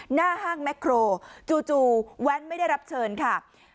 หน้าห้างแมคโครจู่แว้นไม่ได้รับเชิญค่ะ